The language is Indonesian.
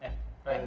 perusahaan lagi ada